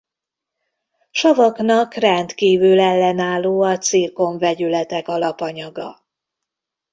Savaknak rendkívül ellenálló a cirkon vegyületek alapanyaga.